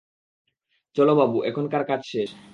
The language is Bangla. চলো বাবু, এখানকার কাজ শেষ!